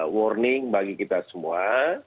warning bagi kita semua